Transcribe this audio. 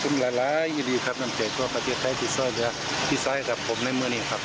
นี่ค่ะเห็นไหม